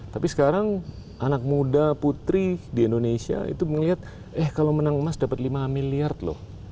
tapi sekarang anak muda putri di indonesia itu melihat eh kalau menang emas dapat lima miliar loh